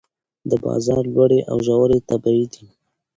د بازار لوړې او ژورې طبیعي دي.